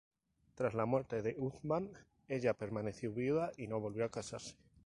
Tras la muerte de Uthman, ella permaneció viuda y no volvió a casarse.